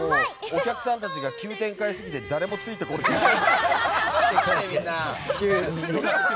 お客さんたちが急展開すぎて誰もついてこれてない。